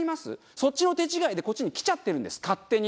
そっちの手違いでこっちに来ちゃってるんです勝手に。